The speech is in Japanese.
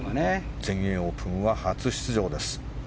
全英オープンは初出場です。